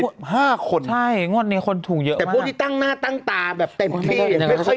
มองแล้วคนได้มีชั้นถูกเยอะแต่จะตั้งหน้าตั้งตาแบบแต่ว่าให้ไม่ใช่